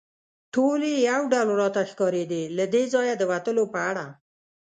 ټولې یو ډول راته ښکارېدې، له دې ځایه د وتلو په اړه.